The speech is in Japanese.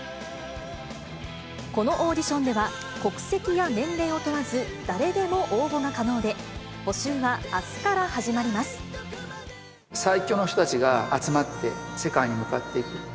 このオーディションでは、国籍や年齢を問わず誰でも応募が可能で、募集はあすから始まりま最強の人たちが集まって、世界に向かっていく。